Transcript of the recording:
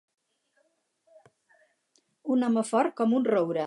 Un home fort com un roure.